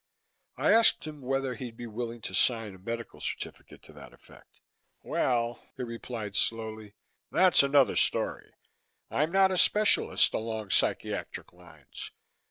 I asked him whether he'd be willing to sign a medical certificate to that effect. "Well," he replied slowly, "that's another story. I'm not a specialist along psychiatric lines.